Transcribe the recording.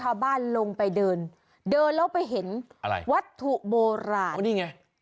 ห้าบ้านลงไปเดินเดินเรารอบไปเห็นวัตถุโบราณอาจจะไม่